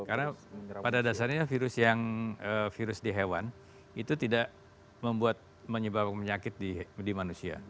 karena pada dasarnya virus yang virus di hewan itu tidak membuat menyebabkan penyakit di manusia